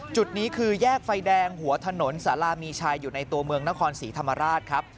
จุดนี้คือแยกไฟแดงหัวถนนสารามีชัยอยู่ในตัวเมืองนครศรีธรรมราชครับ